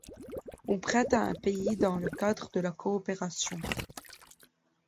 On prête à un pays dans le cadre de la coopération.